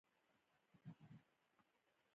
نن د احمد مېلمانه راغلي ول؛ دی هم سخت تر له وتلی وو.